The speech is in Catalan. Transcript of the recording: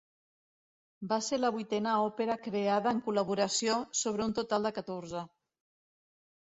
Va ser la vuitena òpera creada en col·laboració, sobre un total de catorze.